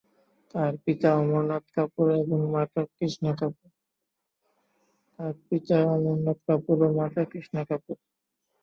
তার পিতা অমরনাথ কাপুর ও মাতা কৃষ্ণা কাপুর।